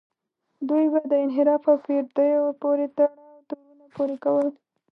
دوی به د انحراف او پردیو پورې تړاو تورونه پورې کول.